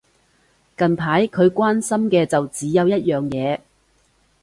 近排佢關心嘅就只有一樣嘢